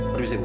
pergi si bu